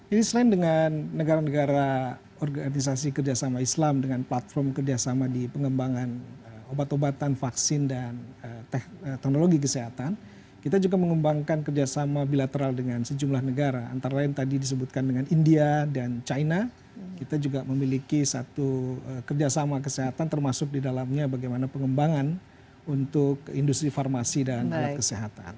ini selain dengan negara negara organisasi kerjasama islam dengan platform kerjasama di pengembangan obat obatan vaksin dan teknologi kesehatan kita juga mengembangkan kerjasama bilateral dengan sejumlah negara antara lain tadi disebutkan dengan india dan china kita juga memiliki satu kerjasama kesehatan termasuk di dalamnya bagaimana pengembangan untuk industri farmasi dan alat kesehatan